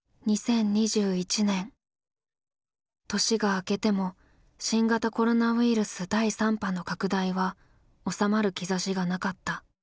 年が明けても新型コロナウイルス第３波の拡大は収まる兆しがなかった。